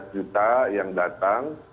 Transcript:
lima belas juta yang datang